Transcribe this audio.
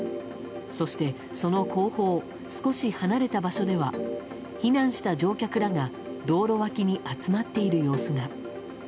そして、その後方少し離れた場所では避難した乗客らが道路脇に集まっている様子が。